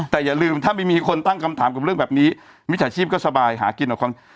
แต่อย่าลืมถ้าไม่มีคนตั้งคำถามกับเรื่องแบบนี้มิจฉาชีพก็สบายหากินกับคน